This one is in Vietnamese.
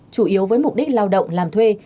chủ yếu với mục đích lao động làm thuê